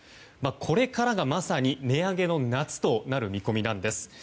これからがまさに、値上げの夏となる見込みなんです。